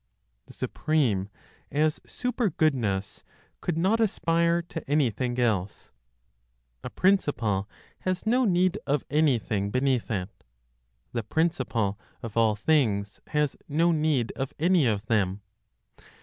THE SUPREME, AS SUPERGOODNESS, COULD NOT ASPIRE TO ANYTHING ELSE. A principle has no need of anything beneath it. The Principle of all things has no need of any of them.